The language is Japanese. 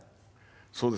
そうです。